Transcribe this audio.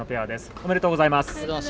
おめでとうございます。